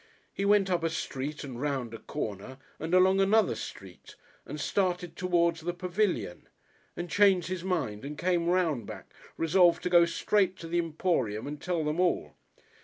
He went up a street and round a corner and along another street, and started towards the Pavilion and changed his mind and came round back, resolved to go straight to the Emporium and tell them all.